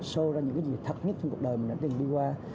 sâu ra những cái gì thật nhất trong cuộc đời mình đã từng đi qua